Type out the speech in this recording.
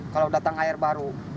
kalau datang air baru